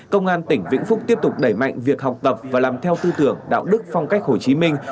công an tỉnh vĩnh phúc tiếp tục đẩy mạnh việc học tập và làm theo tư tưởng đạo đức phong cách hồ chí minh